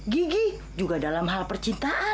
gigi juga dalam hal percintaan